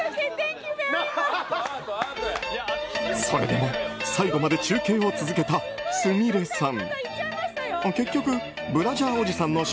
それでも最後まで中継を続けたすみれさん。